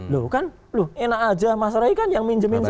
lu kan enak aja mas roy kan yang minjemin saya